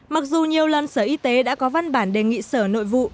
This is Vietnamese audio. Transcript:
mặc dù nhiều lần sở y tế đã có văn bản đề nghị sở nội vụ